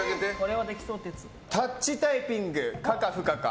タッチタイピング可か不可か。